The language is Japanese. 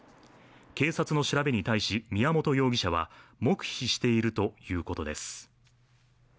警察の調べに対し、宮本容疑者は黙秘しているということです。